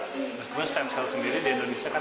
terus kemudian stem cell sendiri di indonesia kan